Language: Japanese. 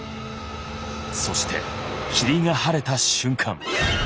そして霧が晴れた瞬間。